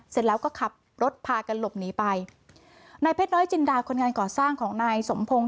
เสร็จแล้วก็ขับรถพากันหลบหนีไปนายเพชรน้อยจินดาคนงานก่อสร้างของนายสมพงศ